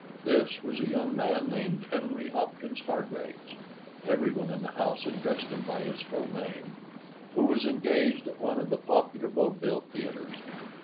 This was a young man named Henry Hopkins Hargraves—every one in the house addressed him by his full name—who was engaged at one of the popular vaudeville theaters.